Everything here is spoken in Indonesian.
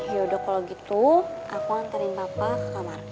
yaudah kalo gitu aku nganterin papa ke kamar